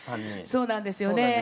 そうなんですよね。